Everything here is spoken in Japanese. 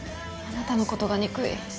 あなたの事が憎い。